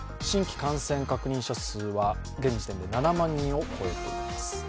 新規感染確認者数は現時点で７万人を越えています。